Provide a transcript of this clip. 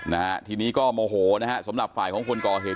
นะฮะทีนี้ก็โมโหนะฮะสำหรับฝ่ายของคนก่อเหตุ